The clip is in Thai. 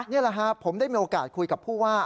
นี่แหละครับผมได้มีโอกาสคุยกับผู้ว่า